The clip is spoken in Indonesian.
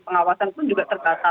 pengawasan pun juga terbatas